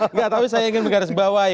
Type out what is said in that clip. enggak tapi saya ingin menggaris bawahi